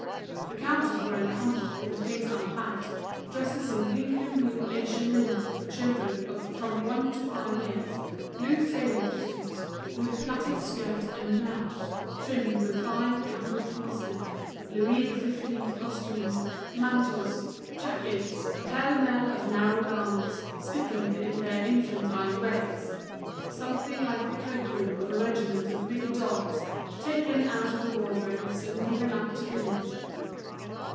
The counters were encumbered with the things unpacked, dresses in pink and blue Asian linen for children of from one to five years, blue sailor costumes, with plaited skirt and blouse, trimmed with fine cambric muslin, Louis XV. costumes, mantles, jackets, a pell mell of narrow garments, stiffened in their infantine grace, something like the cloak room of a regiment of big dolls, taken out of the wardrobes and given up to pillage.